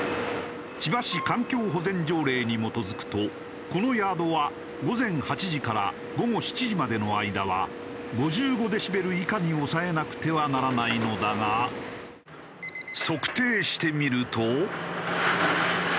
千葉市環境保全条例に基づくとこのヤードは午前８時から午後７時までの間は５５デシベル以下に抑えなくてはならないのだが測定してみると。